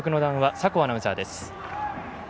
酒匂アナウンサーです。